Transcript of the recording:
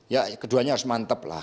ya keduanya harus mantep lah